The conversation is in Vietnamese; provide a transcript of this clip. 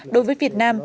đối với việt nam